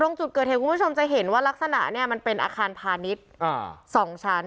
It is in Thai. ตรงจุดเกิดเหตุคุณผู้ชมจะเห็นว่ารักษณะเนี่ยมันเป็นอาคารพาณิชย์๒ชั้น